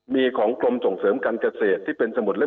มีของกรมส่งเสริมการเกษตรที่เป็นสมุดเลี